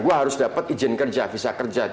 gue harus dapat izin kerja visa kerja